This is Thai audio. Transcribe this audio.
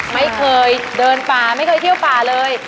ไม่เคยเดินป่าไม่เคยเที่ยวป่าเลย